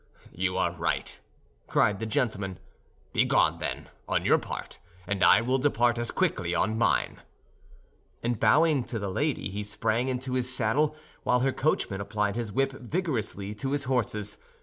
"You are right," cried the gentleman; "begone then, on your part, and I will depart as quickly on mine." And bowing to the lady, he sprang into his saddle, while her coachman applied his whip vigorously to his horses.